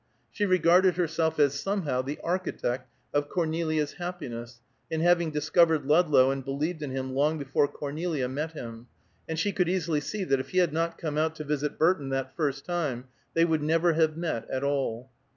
She regarded herself as somehow the architect of Cornelia's happiness in having discovered Ludlow and believed in him long before Cornelia met him, and she could easily see that if he had not come out to visit Burton, that first time, they would never have met at all.